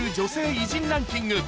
偉人ランキング